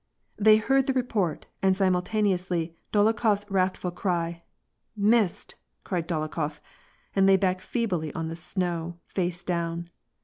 They heard the report, and simultaneously Dolokhof s wrath ful cry, —" Missed !" cried Dolokhof, and lay back feebly on the snow, face down.